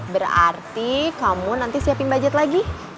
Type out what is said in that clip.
berarti kamu nanti siapin budget lagi